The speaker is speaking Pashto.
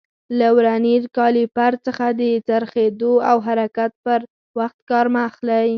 له ورنیر کالیپر څخه د څرخېدلو او حرکت پر وخت کار مه اخلئ.